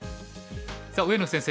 さあ上野先生。